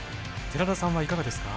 寺田さんはいかがですか？